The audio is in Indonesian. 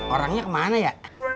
orangnya kemana ya